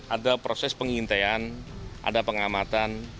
ada proses pengintaian ada pengamatan